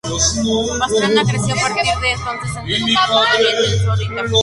Pastrana creció a partir de entonces en detrimento de Zorita.